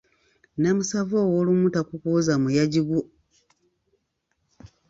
Namusava ow’olumu takukuuza muyaji gwo.